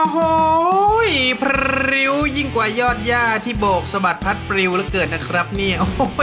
อ่อห้อห้อยพริวยิ่งกว่ายอดย่าที่โบกสะบัดพัดปริวละเกิดนะครับเนี่ย